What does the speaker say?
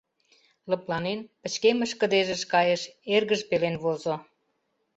Лыпланен, пычкемыш кыдежыш кайыш, эргыж пелен возо.